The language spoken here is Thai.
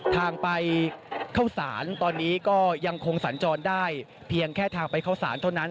ทางไปเข้าสารตอนนี้ก็ยังคงสัญจรได้เพียงแค่ทางไปเข้าสารเท่านั้น